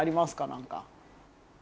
何か。